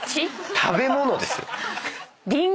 食べ物ですよ。